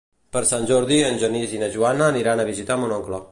Per Sant Jordi en Genís i na Joana aniran a visitar mon oncle.